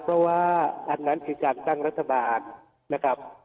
เพราะว่าอันนั้นคือการตั้งรัฐบาลนะครับ